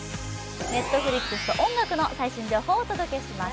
Ｎｅｔｆｌｉｘと音楽の最新情報をお届けします。